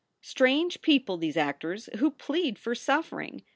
Strange people, these actors, who plead for suffering!